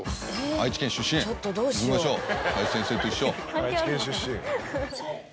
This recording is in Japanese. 愛知県出身いきましょう林先生と一緒。